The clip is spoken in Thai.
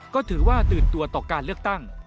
ก็ถือว่าตื่นตัวต่อการเลือกตั้ง